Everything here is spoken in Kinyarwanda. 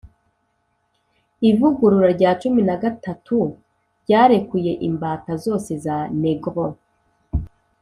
ivugurura rya cumi na gatatu ryarekuye imbata zose za negro.